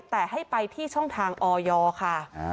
แต่ให้ไปที่ช่องทางออยค่ะ